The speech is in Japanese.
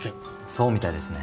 そうみたいですね。